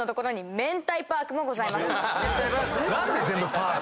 何で全部パーク？